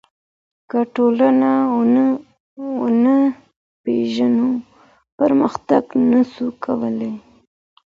که ټولنه ونه پېژنو پرمختګ نسو کولای.